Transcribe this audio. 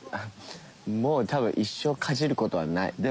もう多分一生かじる事はない。